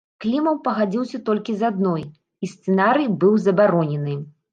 Клімаў пагадзіўся толькі з адной, і сцэнарый быў забаронены.